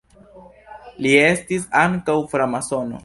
Li estis ankaŭ framasono.